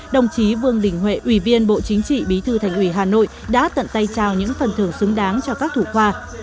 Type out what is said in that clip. đồng chí vương đình huệ ủy viên bộ chính trị bí thư thành ủy hà nội đã tận tay trao những phần thưởng xứng đáng cho các thủ khoa